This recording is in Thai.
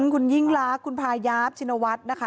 คุณยิ่งรักคุณพายาฟชินวัฒน์นะคะ